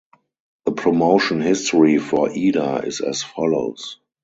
The promotion history for Ida is as follows.